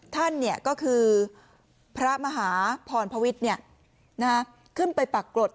ท่านเนี่ยก็คือพระมหาพรพวิทย์เนี่ยขึ้นไปปรักกฤต